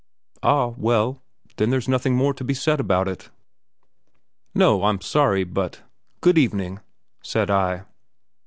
"A h, well, then there's nothing more to be said about it!" "No! I'm sorry, but " "Good evening!" said I.